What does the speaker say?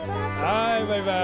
はいバイバイ。